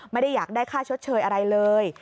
ไม่ได้อยากได้ค่าชดเชยอะไรเลย